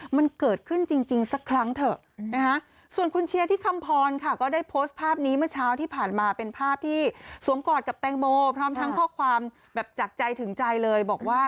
มันเกิดขึ้นจริงสักครั้งเถอะ